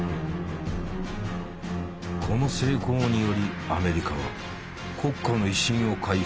この成功によりアメリカは国家の威信を回復。